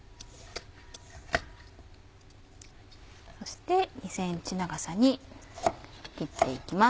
そして２ｃｍ長さに切っていきます。